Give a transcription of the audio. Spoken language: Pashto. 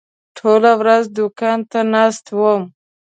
ټوله ورځ دوکان ته ناست وم.